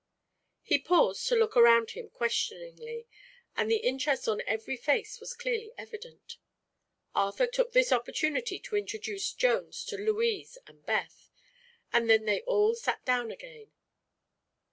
He paused to look around him questioningly and the interest on every face was clearly evident. Arthur took this opportunity to introduce Jones to Louise and Beth and then they all sat down again.